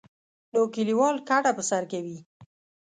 نو کلیوال کډه په سر کوي.